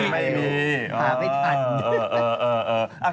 หาไม่ทัน